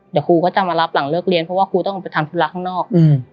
เดี๋ยวครูก็จะมารับหลังเลิกเรียนเพราะว่าครูต้องไปทำธุระข้างนอก